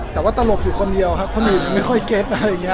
แต่ว่าตลกอยู่คนเดียวคนอื่นไม่ค่อยเก็ต